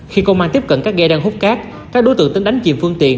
khi công an tiếp cận các ghe đang hút cát các đối tượng tính đánh chìm phương tiện